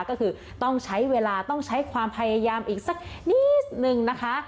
ก็คือต้องใช้เวลาต้องใช้ความพยายามอีกสักนิดนึงนะคะ